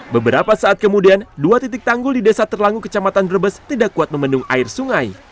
beberapa saat kemudian dua titik tanggul di desa terlangu kecamatan brebes tidak kuat membendung air sungai